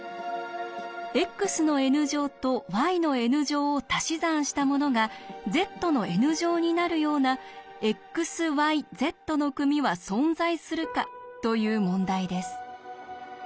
ｘのｎ乗とｙのｎ乗をたし算したものがｚのｎ乗になるようなｘｙｚの組は存在するか？という問題です。